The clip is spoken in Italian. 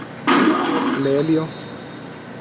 L'elio?